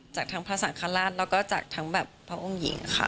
จากทั้งพระสังฆราชแล้วก็จากทั้งแบบพระองค์หญิงค่ะ